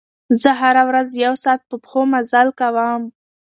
زه هره ورځ یو ساعت په پښو مزل کوم.